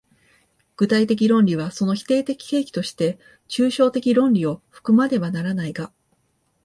具体的論理はその否定的契機として抽象的論理を含まねばならないが、